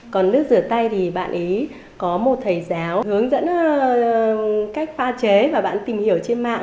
còn nước rửa tay thì bạn ý có một thầy giáo hướng dẫn cách pha chế và bạn tìm hiểu trên mạng